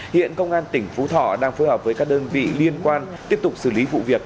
hiện công an tỉnh phú thọ đang phối hợp với các đơn vị liên quan tiếp tục xử lý vụ việc